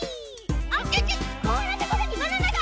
あっこんなところにバナナが！